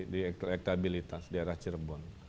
di elektabilitas di arah cirebon